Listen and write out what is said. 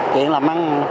chuyện làm ăn